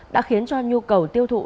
đã khiến cho nhu cầu tiêu thụ